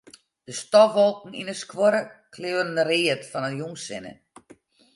De stofwolken yn 'e skuorre kleuren read fan de jûnssinne.